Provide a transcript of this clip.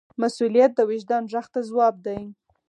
مسؤلیت د وجدان غږ ته ځواب دی.